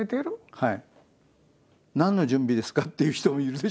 はい。